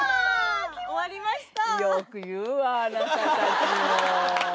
終わりました。